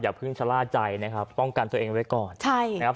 เพิ่งชะล่าใจนะครับป้องกันตัวเองไว้ก่อนใช่นะครับ